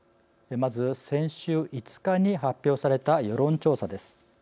まず先週５日に発表された世論調査です。